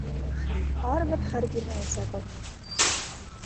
Барыбер һыр бирмәйәсәк ул.